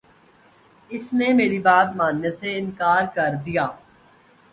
اس نے میری بات ماننے سے انکار کر دیا